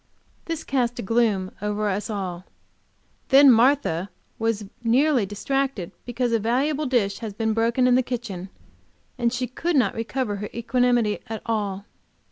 This cast a gloom over us all. Then Martha was nearly distracted because a valuable dish had been broken in the kitchen, and could not recover her equanimity at all.